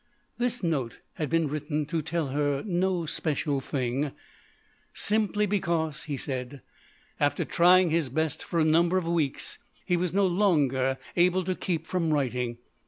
This note had been written to tell her no special thing; simply because, he said, after trying his best for a number of weeks, he was not longer able to keep from writing.